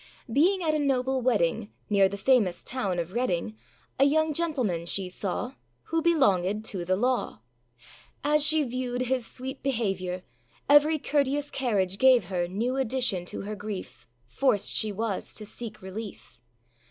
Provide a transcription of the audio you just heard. Being at a noble wedding, Near the famous town of Redding, A young gentleman she saw, Who belongèd to the law. As she viewed his sweet behaviour, Every courteous carriage gave her New addition to her grief; Forced she was to seek relief.